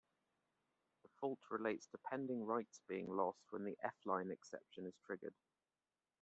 The fault relates to pending writes being lost when the F-line exception is triggered.